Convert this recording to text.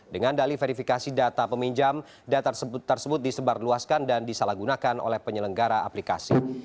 dengan dali verifikasi data peminjam data tersebut disebarluaskan dan disalahgunakan oleh penyelenggara aplikasi